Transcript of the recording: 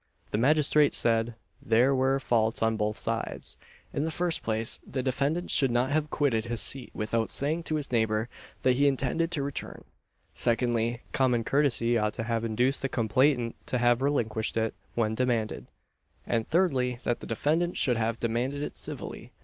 The magistrate said there were faults on both sides. In the first place, the defendant should not have quitted his seat without saying to his neighbour that he intended to return; secondly, common courtesy ought to have induced the complainant to have relinquished it when demanded; and, thirdly, that the defendant should have demanded it civilly.